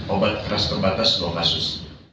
obat keras terbatas dua kasus